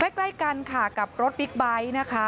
ใกล้กันค่ะกับรถบิ๊กไบท์นะคะ